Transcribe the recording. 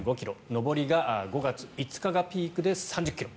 上りが５月５日がピークで３０ｋｍ。